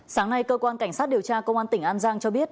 sáng nay cơ quan cảnh sát điều tra công an tỉnh an giang cho biết